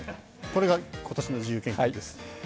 これが今年の自由研究です。